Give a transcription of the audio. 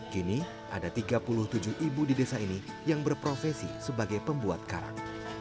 kini ada tiga puluh tujuh ibu di desa ini yang berprofesi sebagai pembuat karang